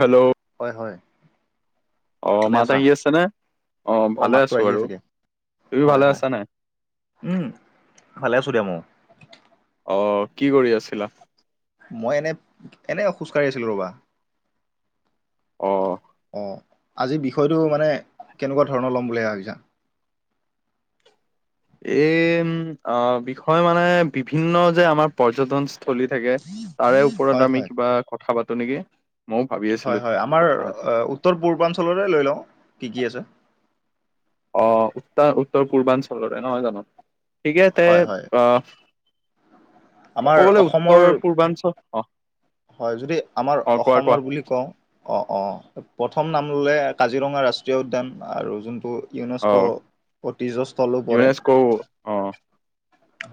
Hello? হয়, হয়। অ', ভালে মাত আছা আহি আছে নে? অ', ভালে মাতটো আছো আহি বাৰু। আছে দিয়া তুমি হয় ভালে হয় আছা নাই? উম, ভালে আছোঁ দিয়া মইও। অঁ', কি কৰি আছিলা। মই এনে এনে খোজ কাঢ়ি আছিলোঁ ৰ'বা। অ'। অঁ', আজি বিষয়টো মানে কেনেকুৱা ধৰণৰ ল'ম বুলি ভাবিছা? এইম অ', বিষয় মানে, বিভিন্ন যে আমাৰ পৰ্যটন স্থলী থাকে তাৰে ওপৰত হয় আমি হয় কিবা কথা পাতো নেকি। ময়ো ভাবি হয়, আছিলো হয়, আমাৰ কথা উত্তৰ পূৰ্বাঞ্চলৰে লৈ লওঁ, কি কি আছে। অ', উত্তা উত্তৰ পূৰ্বাঞ্চলৰে নহয় জানো, ঠিকে তে হয় হয় অ'। ক'ব আমাৰ গলে অসমৰ উত্তৰ পূৰ্বাঞ্চল অ'। হয় যদি, আমাৰ অ কোৱা কোৱা অসমৰ বুলি কওঁ, অ', অ'। প্ৰথম নাম ললে কাজিৰঙা ৰাষ্ট্ৰীয় উদ্যান আৰু জোনবোৰ অ ইউনেস্ক', ঐতিহ্যস্থলো পৰে। ইউনেস্ক' অ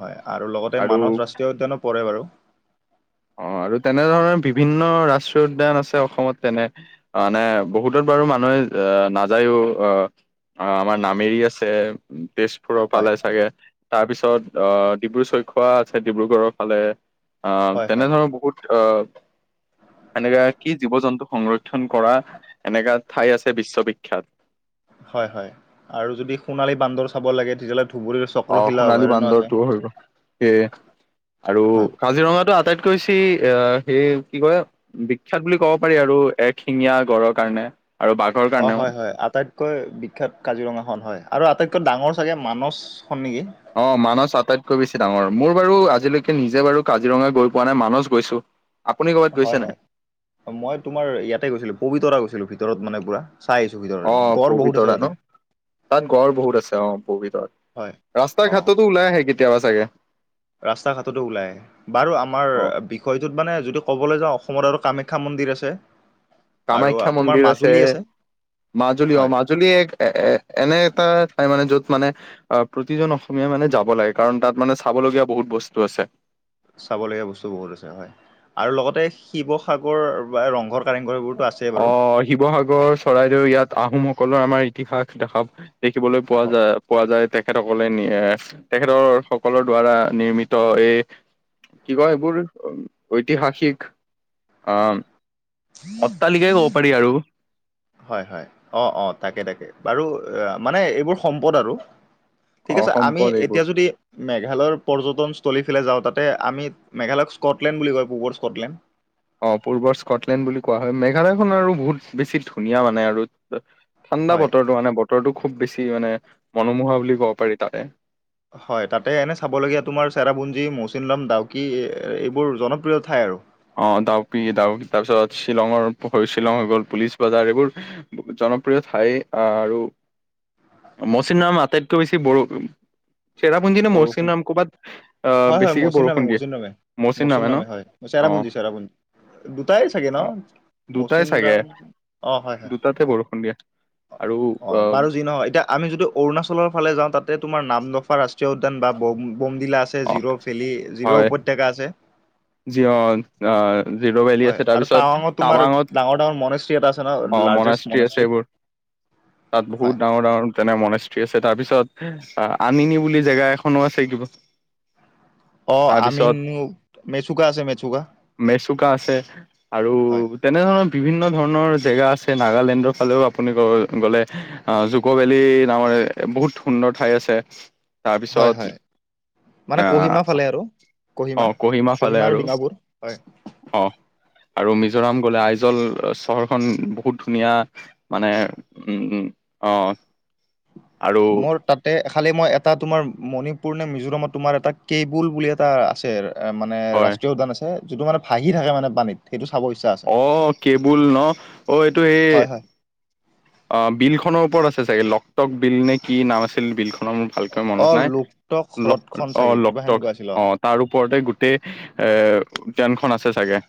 হয়, আৰু লগতে মানস ৰাষ্ট্ৰীয় উদ্যানো পৰে বাৰু। অ', আৰু তেনেধৰণৰ বিভিন্ন ৰাষ্ট্ৰীয় উদ্যান আছে অসমত তেনে। মানে বহুতত বাৰু মানুহে অ', নাযায়ো অ' অ', আমাৰ নামেৰি আছে তেজপুৰ হয় ফালে চাগে। তাৰপিছত অ', ডিব্ৰু চৈখোৱা আছে ডিব্ৰুগড়ৰ ফালে, অ' হয় হয় তেনেধৰনৰ বহুত অ', এনেকা কি জীৱ-জন্তু সংৰ ক্ষণ কৰা এনেকা ঠাই আছে বিশ্ববিখ্যাত। হয়, হয়। আৰু যদি সোণালী বান্দৰ চাব লাগে তেতিয়াহ'লে ধুবুৰীৰ অ', চক্ৰশিলা সোণালী অভয়াৰণ্য আছে বান্দৰটোও, সেয়ে, আৰু হয় কাজিৰঙাতো আটাইত কৈ ছি এ, সেই কি কয় বিখ্যাত বুলি ক'ব পাৰি আৰু এক শিঙীয়া গড়ৰ কাৰণে, আৰু বাঘ। অ', হয়, হয়। আটাইত কৈ বিখ্যাত কাজিৰঙা খন হয়, আৰু আটাইতকৈ ডাঙৰ চাগে মানচ খন নেকি! অ', মানচ আটাইতকৈ বেছি ডাঙৰ, মোৰ বাৰু আজিলৈকে নিজে বাৰু কাজিৰঙা গৈ পোৱা নাই, মানচ গৈছো আপুনি ক'ৰবাত গৈছে হয়, নাই হয়। মই তোমাৰ ইয়াতে গৈছিলো পবিতৰা গৈছিলো ভিতৰত মানে পুৰা, চাই আহিছো ভিতৰত। একদম অ', গড় বহুত আছে পবিতৰা তাতে ন? তাত গড় বহুত আছে অ', হয় পবিতৰাত। ৰাস্তা অ ঘাটতো ওলাই আহে কেতিয়াবা চাগে। ৰাস্তা ঘাটতো ওলাই। বাৰু আমাৰ, অ বিষয়টোত মানে যদি ক'বলৈ যাওঁ, অসমত আৰু কামাখ্যা মন্দিৰ আছে। আৰু কামাখ্যা তোমাৰ মন্দিৰ আছে, মাজুলী মাজুলী হয় অমাজ জুলী এক এ-এনে এটা ঠাই মানে য'ত মানে অ', প্ৰতিজন অসমীয়াই মানে যাব লাগে, কাৰণ তাত মানে চাবলগীয়া বহুত বস্তু আছে। চাবলগীয়া বস্তু বহুত আছে হয়, আৰু লগতে শিৱসাগৰ বা ৰংঘৰ কাৰেংঘৰ এইবোৰতো আছেই বাৰু অ', শিৱসাগৰ, চৰাইদেউ ইয়াত আহোমসকলৰ আমাৰ ইতিহাস দেখা পায়। দেখিবলৈ পোৱা অ যায়, পোৱা যায়, তেখেতসকলে নিয়েহ তেখেতৰ সকলৰ দ্বাৰা নিৰ্মিত এই কি কয় এইবোৰ, ঐতিহাসিক অ'। অট্টালিকাই ক'ব পাৰি আৰু। হয়, হয়, অ', অ', তাকে, তাকে, বাৰু মানে এইবোৰ সম্পদ আৰু। ঠিক অ', আছে, আমি সম্পদ এইবোৰ। এতিয়া যদি মেঘালয় পৰ্যটনস্থলীফালে যাওঁ, তাতে আমি মেঘালয়ক স্কটলেণ্ড বুলি কয়, পূৱৰ স্কটলেণ্ড। অ', পূৰ্বৰ স্কটলেণ্ড বুলি কোৱা হয়, মেঘালয়খন আৰু বহুত বেছি ধুনীয়া মানে আৰু ঠাণ্ডা হয় বতৰটো মানে বতৰটো খুব বেছি মানে মনোমোহা বুলি ক'ব পাৰি তাতে। হয়, তাতে এনেই চাবলগীয়া তোমাৰ চেৰাপুঞ্জী, মৌচিনলাম, ডাউকি এইবোৰ জনপ্ৰিয় ঠাই আৰু। অ', ডাউকি, ডাউক তাৰপিছত শ্বিলঙৰ শ্বিলং হৈ গ'ল পুলিচ বজাৰ এইবোৰ জনপ্ৰিয় ঠাই আৰু মচিনৰাম আটাইতকৈ বেছি বৰষুণ চেৰাপুঞ্জি নে বৰষুণ মৌচিননাম ক'ৰবাত অ', হয় হয় বেছিকে মৌচিনৰামে বৰষুণ দিয়ে। মৌচিনৰামে মৌচিনৰামে ন? হয় অ চেৰাপুঞ্জী চেৰাপুঞ্জী, দুটাই চাগে অ ন? মচিনৰাম দুটাতেে বৰষুণ দিয়ে। অ'। বাৰু যি নহয় এতিয়া আমি যদি অৰুণাচলৰ ফালে যাওঁ তাতে তোমাৰ নামদফা ৰাষ্ট্ৰীয় উদ্যান বা বম বমডিলা আছ ছে, অ জিৰ'ভেলি জিৰ' উপত্যকা আছে। জীৱন। অ 'জিৰ'ভেলী হয় আছে, আৰু তাৰপিছত টাৱাঙত তোমাৰ টাবাঙত, ডাঙৰ ডাঙৰ মনেষ্ট্ৰী এটা আছে ন অ' লাৰ্জেষ্ট মনাশ্ৰী আছে মনেষ্ট্ৰী এইবোৰ। [inaudible] তাত হয় বহুত ডাঙৰ ডাঙৰ তেনে মনেস্ৰী আছে, তাৰ পিছত, আনিনী বুলি জেগা এখনো আছে কিব অ' আনিনি মেচুকা আছে, মেচুকা। মেচুকা আছে। আৰু হয় তেনেধৰণৰ বিভিন্ন ধৰণৰ জেগা আছে, নাগালেণ্ডৰ ফালেও আপুনি গলে আহ জুক ভেলি নামৰ বহুত সুন্দৰ ঠাই আছে, হয় হয় তাৰপিছত মানে আহ কহিমা ফালে আৰু অ', কহিমা ফালে আৰু। অ', আৰু মিজোৰাম গ'লে আইজল চহৰখন বহুত ধুনীয়া। মানে, উম অ'। আৰু মোৰ তাত তে খালী মই এটা তোমাৰ, মণিপুৰ নে মিজোৰামত তোমাৰ এটা কেবুল বুলি এটা আছে। এ মানে হয় ৰাষ্ট্ৰীয়দ্যান আছে, যিটো মানে ভাহি থাকে মানে পানীত, সেইটো চাব ইচ্ছা আছে অ' কেবুল ন অ' এইটো এই হয় হয় অ' বিল খনৰ ওপৰত আছে চাগে, লকটক বিল নে কি নাম আছিল বিল খনৰ ভালকৈ মনত অ' নাই, লোকটক ল হ্ৰদখন অ' চাগে কিবা লটক সেনেকুৱা আছিল অ'। তাৰ ওপৰতে গোটেই, এ উদ্যানখন আছে চাগে।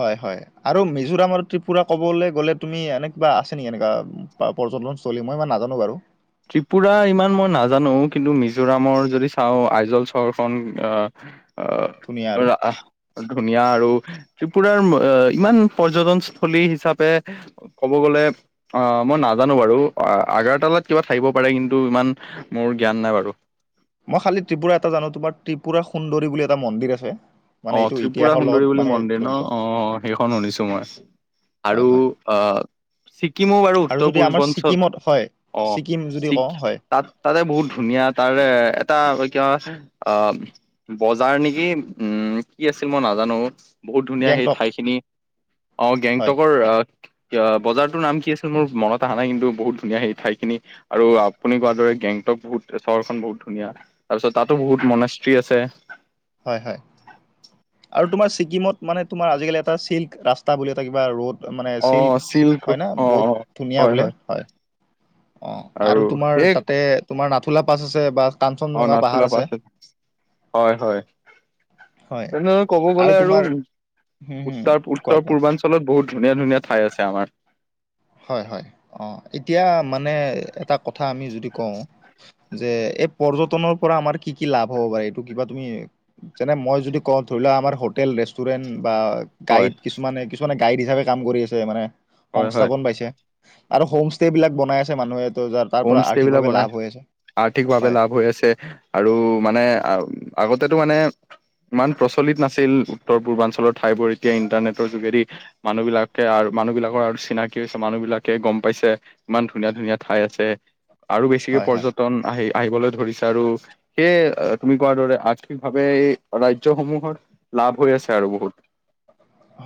হয় হয়, আৰু মিজোৰামৰ ত্ৰিপুৰা ক'বলৈ গ'লে, তুমি এনেকিবা আছে নেকি এনেকুৱা প পৰজটন চলি, মই ইমান নাজানো বাৰু। ত্ৰিপুৰা ইমান মই নাজানো, কিন্তু মিজোৰামৰ যদি চাওঁ আইজল চহৰখন, আহ আহ, ধুনীয়া তোৰ আৰু আহ ধুনীয়া আৰু, ত্ৰিপুৰাৰ, ইমান পৰ্যটনস্থলী হিচাপে ক'ব গ'লে, অ' মই নাজানো বাৰু আগাৰতালাত কিবা থাকিব পাৰে কিন্তু, ইমান মোৰ জ্ঞান নাই বাৰু। মই খালি ত্ৰিপুৰা এটা জানো, তোমাৰ ত্ৰিপুৰা সুন্দৰী বুলি এটা মন্দিৰ আছে। মানে অ' এইটো ত্ৰিপুৰা ইতিহাসৰ লগত সুন্দৰী বুলি মানে মন্দিৰ ন, জড়িত অ' সেইখন শুনিছো মই। আৰু, হয় হয় আহ ছিকিমো বাৰু আৰু উত্তৰ যদি আমাৰ পূৰ্বাঞ্চল, ছিকিমত হয় অ' ছিকিম যদি কওঁ ছিকিম হয় তাত, তাতে বহুত ধুনীয়া, তাৰে এটা কিয় আ বজাৰ নেকি, উম কি আছিল, মই নাজানো বহুত ধুনীয়া সেই গেংটক ঠাইখিনি অ' হয় গেংটকৰ, বজাৰটোৰ নাম কি আছিল, মোৰ মনত অহা নাই কিন্তু বহুত ধুনীয়া, সেই ঠাইখিনি। আৰু আপুনি কোৱাৰ দৰে গেংটক বহুত চহৰখন বহুত ধুনীয়া। তাৰপিছত তাতো বহুত মনেস্ৰী আছে। হয় হয়। আৰু তোমাৰ ছিকিমত, মানে তোমাৰ আজিকালি এটা চিল্ক ৰাস্তা বুলি এটা কিবা ৰ'ড মানে চিল্ক, হয় ন, বহুত ধুনীয়া বোলে হয়। অ', আৰু তোমাৰ তাতে তোমাৰ নাথুলা পাছ আছে বা অ কাঞ্চনজঙা নাথুলা পাহাৰ পাছ আছে। হয়, হয়। হয় তেনে ক'ব গ'লে আৰু, হম হম উত্তৰ, কোৱা উত্তৰ কোৱা পূৰ্বাঞ্চল ফলত বহুত ধুন ধনীয়া ঠাই আছে আমাৰ। হয় হয়, অ' এতিয়া মানে এটা কথা আমি যদি কওঁ যে এই পৰ্যটনৰ পৰা আমাৰ কি কি লাভ হ'ব পাৰে, এইটো কিবা তুমি যেনে, মই যদি কওঁ ধৰি লোৱা আমাৰ হোটেল ৰে ষ্টুডেণ্ট বা হয় গাইড কিছুমানে কিছুমানে গাইড হিচাপে কাম কৰি আছে, মানে হয় হয় থাপন পাইছে, আৰু হোম ষ্টে বিলাক বনাই আছে মানুহে তো যাৰ তাৰ হোম পৰা ষ্টে বিলাক আৰ্থিকভাৱে লাভ বনাই, হৈ আছে আৰ্থিকভাৱে হয় লাভ হৈ আছে। আৰু মানে, আগতেতো মানে ইমান প্ৰচলিত নাছিল, উত্তৰ পূৰ্বাঞ্চলৰ ঠাইবোৰ, এতিয়া ইণ্টাৰনেটৰ যোগেদি মানুহ বিলাকে আৰু মানুহ বিলাকৰ আৰু চিনাকি হৈছে, মানুহ বিলাকে গম পাইছে, ইমান ধুনীয়া ধুনীয়া ঠাই আছে। আৰু বেছিকে হয় হয় পৰ্যটন আহি আহিবলৈ ধৰিছে আৰু সেয়ে তুমি কোৱাৰ দৰে আৰ্থিকভাৱে এই ৰাজ্যসমূহত লাভ হৈ আছে আৰু বহুত।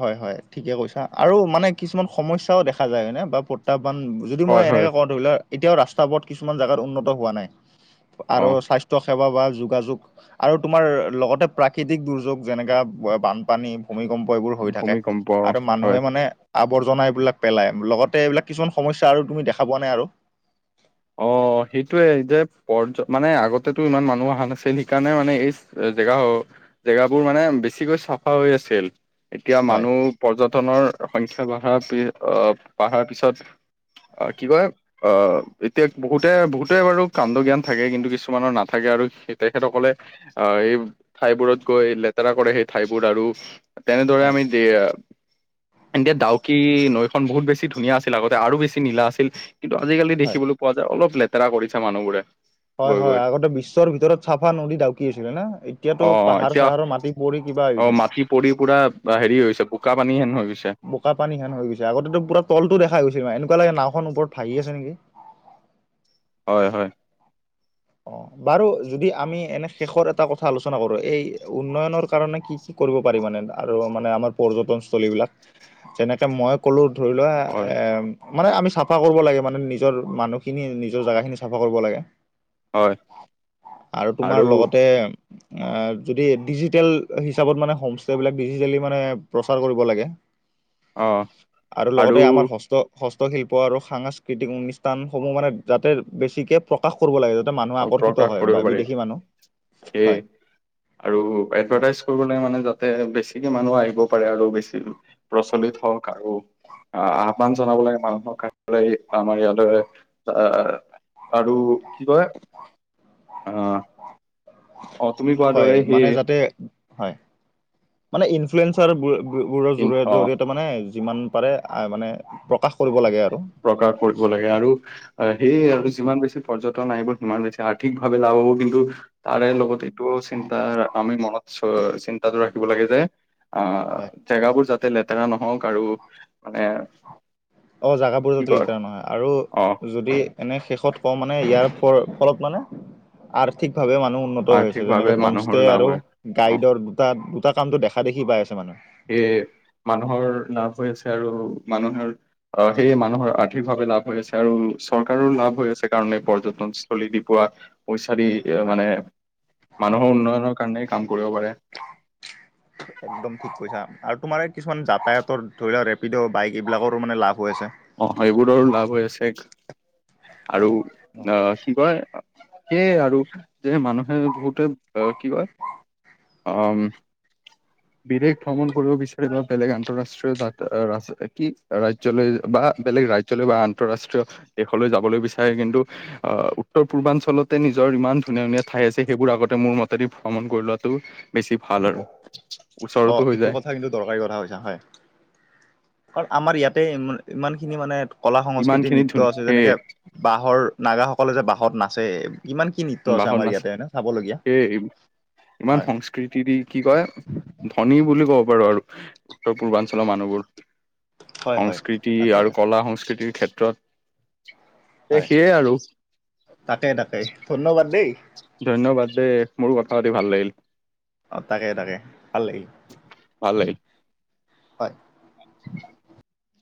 হয়, হয়, ঠিকে কৈছা। আৰু মানে কিছুমান সমস্যাও দেখা যায় হয়নে বা প্ৰত্যাহ্বান যদি মই হয় হয় এনেকে কওঁ, ধৰিলোৱা এতিয়াও ৰাস্তা পথ কিছুমান জাগাত উন্নত হোৱা নাই অ আৰু স্বাস্থ্য স্বাস্থ্যসেৱা বা যোগাযোগ আৰু তোমাৰ লগতে প্ৰাকৃতিক দুৰ্যোগ যেনেকা বানপানী, ভূমিকম্প, এইবোৰ হৈ থাকে ভূমিকম্প আৰু হয় মানুহে মানে আৱৰ্জনা এইবিলাক পেলাই, লগতে এইবিলাক কিছুমান সমস্যা আৰু তুমি দেখা পোৱা নাই আৰু। অহ, সেইটোয়ে যে পৰ্য মানে আগতে ইমান মানুহ অহা নাছিল, সেইকাৰণে মানে এই জেগা জেগাবোৰ মানে বেছিকৈ চাফা হৈ আছিল। এতিয়া হয়, মানুহ পৰ্যটনৰ সংখ্যা বাঢ়া অহ, বাঢ়াৰ পিছত অহ, কি কয়? অহ এতিয়া বহুতে-বহুতে বাৰু কাণ্ড জ্ঞান থাকে কিন্তু কিছুমানৰ নাথাকে আৰু তেখেতসকলে অহ, এইঠাইবোৰত গৈ লেতেৰা কৰে সেই ঠাইবোৰ আৰু তেনেদৰে হয়, আমি দে, এতিয়া ডাউকী নৈ বহুত বেছি ধুনীয়া আছিল আগতে আৰু বেছি নীলা আছিল কিন্তু আজিকালি হয়। দেখিবলৈ পোৱা যায়, অলপ লেতেৰা কৰিছে মানুহবোৰে। হয়, গৈ হয়। গৈ আগতে বিশ্বৰ ভিতৰত চাফা নদী ডাউকী আছিল হয় না। এতিয়াতো পাহাৰ-চাহাৰৰ মাটি পৰি কিবা অহ, গৈছে। মাটি পৰি পুৰা হেৰি হৈছে, বোকা পানী হেন হৈ গৈছে। বোকা পানী হেন হৈ গৈছে, আগতেটো পুৰা তলটো দেখ গৈছিলে, এনেকুৱা লাগে নাওখন ওপৰত ভাহি আছে নেকি। হয়, হয়। অহ, বাৰু যদি আমি এনে শেষৰ এটা কথা আলোচনা কৰোঁ, এই উন্নয়নৰ কাৰণে কি কি কৰিব পাৰি মানে আৰু মানে আমাৰ পৰ্যটন স্থলীবিলাক যেনেকে মই ক'লোঁ ধৰিলোৱা হয় মানে আমি চাফা কৰিব লাগে মানে নিজৰ মানুহখিনি নিজৰ জেগাখিনি চাফা কৰিব লাগে। হয় আৰু তোমাৰ লগতে যদি ডিজিটেল হিচাপত মানে হোমষ্টবিলাক ডিজিটেলি মানে প্ৰচাৰ কৰিব লাগে। অ আৰু লগতে আমাৰ হস্ত হস্তশিল্প আৰু সাংস্কৃতিক অনুষ্ঠানসমূহ মানে যাতে বেছিকে প্ৰকাশ কৰিব লাগে। যাতে মানুহ আকৰ্ষিত প্ৰকাশ হয় কৰিব বা পাৰি বিদেশী মানুহ, সেয়ে হয়। আৰু হয় এডভাৰটাইজ কৰিবলৈ মানে যাতে বেছিকে মানুহ আহিব পাৰে আৰু বেছি প্ৰচলিত হওঁক আৰু আহ-আহ্বান জনাব লাগে মানুহক। আমাৰ ইয়ালৈ অহ, আৰু কি কয়? অহ। হয়, মানে যাতে হয় মানে ইনফ্লুৱেঞ্চাবোৰৰ ইন অ জৰিয়তে মানে যিমান পাৰে অহ, মানে প্ৰকাশ কৰিব লাগে আৰু। প্ৰকাশ কৰিব লাগে আৰু হয় সেইয়ে আৰু যিমান বেছি পৰ্যটন আহিব সিমান বেছি আৰ্থিকভাৱে লাভ হ'ব কিন্তু তাৰে লগতে এইটো চিন্তা আমি ম ৰাখিব লাগে যে অহ, হয় জেগাবোৰ যাতে লেতেৰা নহওঁক আৰু মানে অহ, জেগাবোৰ কি যাতে কয় লেতেৰা নহয় অ আৰু যদি এনেই শেষত কওঁ মানে ইয়াৰ ফ-ফলত মানে আৰ্থিকভাৱে মানুহ উন্নত হৈ আছে আৰ্থিকভাৱে যেনেকে মানুহৰ হোমষ্টে লাভ আৰু হয় অ গাইডৰ দুটা-দুটা কামটো দেখা-দেখি পাই আছে মানুহে। সেয়ে, মানুহৰ লাভ হৈ আছে আৰু মানুহৰ অহ, সেয়ে মানুহৰ আৰ্থিকভাৱে লাভ হৈ আছে আৰু চৰকাৰৰো লাভ হৈ আছে কাৰণে পৰ্যটনস্থলী দি পোৱা পইচা দি হয় মানে মানুহৰ উন্নয়নৰ কাৰণেই কাম কৰিব পাৰে। একদম ঠিক কৈছা আৰু তোমাৰ কিছুমান যাতায়াতৰ ধৰিলোৱা ৰেপিড', বাইক এইবিলাকৰো মানে লাভ হৈ আছে। অহ, সেইবোৰৰো লাভ হৈ আছে আৰু হয় অহ, কি কয়? সেয়ে আৰু, [unintelligible] মানুহে বহুতে অ' কি কয় অ'। বিদেশ ভ্ৰমণ কৰিব বিচাৰে বা বেলেগ আন্তঃৰাষ্ট্ৰীয় জাত ৰাজ কি ৰাজ ৰাজ্যলৈ বা বেলেগ ৰাজ্যলৈ বা আন্তঃৰাষ্ট্ৰীয় দেশলৈ যাবলৈ বিচাৰে কিন্তু আহ উত্তৰ পূৰ্বাঞ্চলতে নিজৰ ইমান ধুনীয়া ধুনীয়া ঠাই আছে, সেইবোৰ আগতে মোৰ মতেদি ভ্ৰমণ কৰি লোৱাটো বেছি ভাল আৰু। ওচৰতো অ', হৈ এইটো যায় কথা কিন্তু দৰকাৰী কথা কৈছা, হয়। কাৰণ আমাৰ ইয়াতে ই-ইমানখিনি মানে কলা ইমান সংস্কৃতি খিনি নৃত্য ধুনীয়া আছে, সেয়ে যেনেকে বাঁহৰ নাগাসকলে যে বাঁহত নাচে কিমান কি নৃত্য আছে বাহন আমাৰ নাচ ইয়াতে চাবলগীয়া, সেই হয়। [unintelligible] দি কি কয় ধনী বুলি কব পাৰো আৰু। উত্তৰ পূৰ্বাঞ্চলৰ মানুহবোৰ, হয় হয় সংস্কৃতি তাকে আৰু কলা সংস্কৃতিৰ ক্ষেত্ৰত [unintelligible] হয় সেইয়ে আৰু। তাকে, তাকে, ধন্যবাদ দেই। ধন্যবাদ দেই, মোৰো কথা পাতি ভাল লাগিল। অ', তাকে, তাকে, ভাল লাগিল ভাল লাগিল হয়।